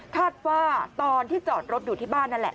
คาดว่าตอนที่จอดรถอยู่ที่บ้านนั่นแหละ